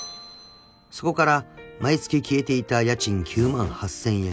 ［そこから毎月消えていた家賃９万８，０００円］